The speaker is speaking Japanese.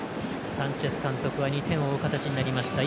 サンチェス監督は２点を追う形になりました。